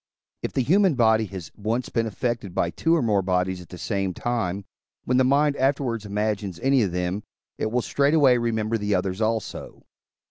If the human body has once been affected by two or more bodies at the same time, when the mind afterwards imagines any of them, it will straightway remember the others also.